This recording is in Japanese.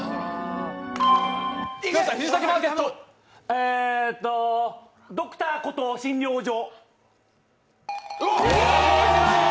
えーと、「Ｄｒ．コトー診療所」。